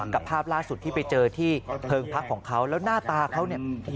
กับภาพล่าสุดที่ไปเจอที่เพลิงพักของเขาแล้วหน้าตาเขาเนี่ย